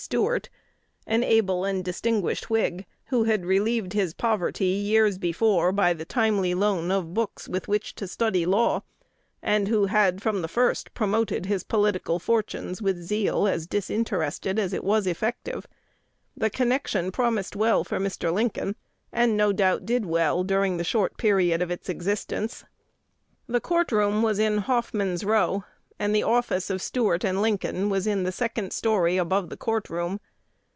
Stuart, an able and distinguished Whig, who had relieved his poverty years before by the timely loan of books with which to study law, and who had from the first promoted his political fortunes with zeal as disinterested as it was effective. The connection promised well for Mr. Lincoln, and no doubt did well during the short period of its existence. The courtroom was in Hoffman's Row; and the office of Stuart & Lincoln was in the second story above the court room.